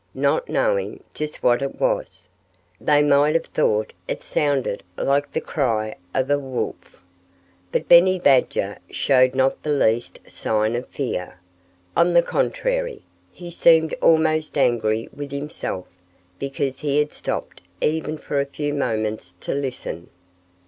Not knowing just what it was, they might have thought it sounded like the cry of a wolf. But Benny Badger showed not the least sign of fear. On the contrary, he seemed almost angry with himself because he had stopped even for a few moments to listen.